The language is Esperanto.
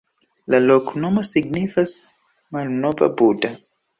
La loknomo signifas: malnova Buda.